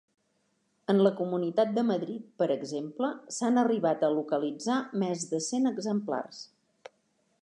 En la comunitat de Madrid, per exemple, s'han arribat a localitzar més de cent exemplars.